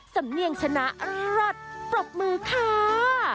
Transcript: สำเนียงชนะรอดปรบมือค้า